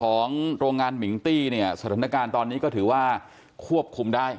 โรงงานมิงตี้เนี่ยสถานการณ์ตอนนี้ก็ถือว่าควบคุมได้